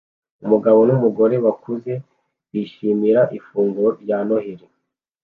Umugabo n'umugore bakuze bishimira ifunguro rya Noheri